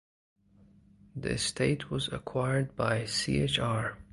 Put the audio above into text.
The estate was acquired by Chr.